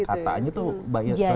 kataannya itu mbak ira sendiri